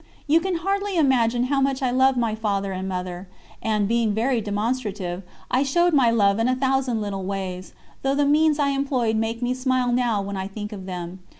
You can hardly imagine how much I loved my Father and Mother, and, being very demonstrative, I showed my love in a thousand little ways, though the means I employed make me smile now when I think of them.